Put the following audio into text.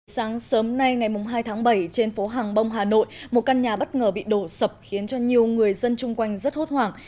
sáng sớm nay ngày hai tháng bảy trên phố hàng bông hà nội một căn nhà bất ngờ bị đổ sập khiến cho nhiều người dân chung quanh rất hốt hoảng